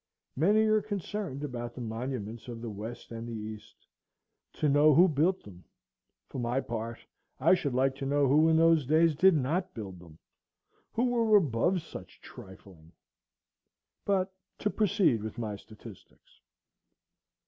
Many are concerned about the monuments of the West and the East,—to know who built them. For my part, I should like to know who in those days did not build them,—who were above such trifling. But to proceed with my statistics.